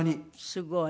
すごい。